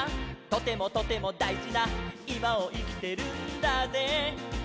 「とてもとてもだいじないまをいきてるんだぜ」